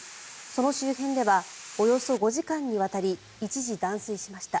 その周辺ではおよそ５時間にわたり一時、断水しました。